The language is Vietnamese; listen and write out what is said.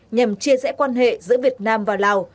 nhằm chia rẽ quan hệ giữa việt nam và lào